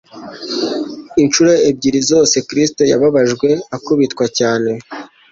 Inshuro ebyiri zose Kristo yababajwe akubitwa cyane.